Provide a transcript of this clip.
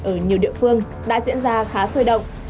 ở nhiều địa phương đã diễn ra khá sôi động